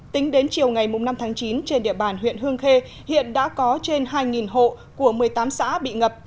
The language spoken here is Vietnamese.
tính đến chiều ngày năm tháng chín trên địa bàn huyện hương khê hiện đã có trên hai hộ của một mươi tám xã bị ngập